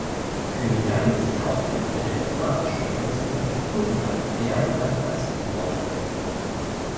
Pjöngjang ist die Hauptstadt der Demokratischen Volksrepublik Korea, eher bekannt als Nordkorea.